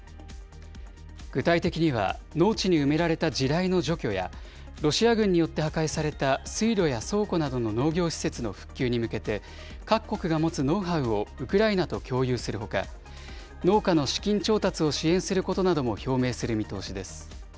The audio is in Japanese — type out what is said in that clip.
具体的には、農地に埋められた地雷の除去や、ロシア軍によって破壊された水路や倉庫などの農業施設の復旧に向けて、各国が持つノウハウをウクライナと共有するほか、農家の資金調達を支援することなども表明する見通しです。